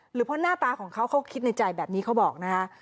หรือเพราะหน้าตาของเขาเขาคิดในใจแบบนี้เขาบอกนะคะ